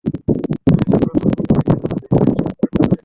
আমিই সে প্রথম মেয়ে যাকে রাহুল এই ফ্রেন্ডশিপ বেন্ড বেঁধেছে।